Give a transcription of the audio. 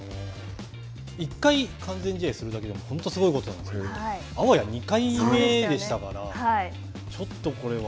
１回完全試合するだけでも本当にすごいことなんですけれどもあわや２回目でしたからちょっとこれは。